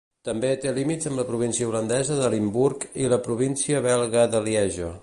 També té límits amb la província holandesa de Limburg i la província belga de Lieja.